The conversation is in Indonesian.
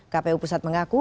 kpu pusat mengaku